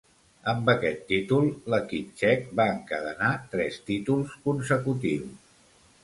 Amb aquest títol, l'equip txec va encadenar tres títols consecutius.